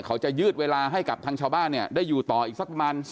เขาจะยืดเวลาให้กับทางชาวบ้านเนี่ยได้อยู่ต่ออีกสักประมาณ